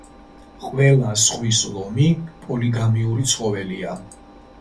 ყველა ზღვის ლომი პოლიგამიური ცხოველია.